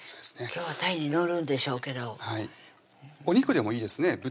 今日はたいに塗るんでしょうけどはいお肉でもいいですね